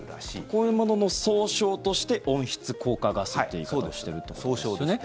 こういうものの総称として温室効果ガスという言い方をしているということですね。